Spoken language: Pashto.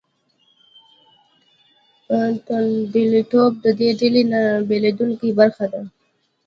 توندلاریتوب د دې ډلې نه بېلېدونکې برخه ده.